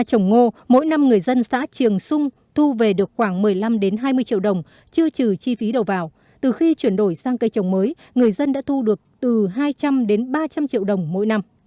các dân xã trường xung thu về được khoảng một mươi năm hai mươi triệu đồng chưa trừ chi phí đầu vào từ khi chuyển đổi sang cây trồng mới người dân đã thu được từ hai trăm linh ba trăm linh triệu đồng mỗi năm